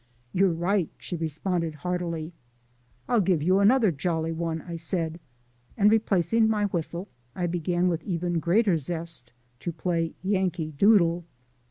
"You're right," she responded heartily. "I'll give you another jolly one," I said, and, replacing my whistle, I began with even greater zest to play "Yankee Doodle."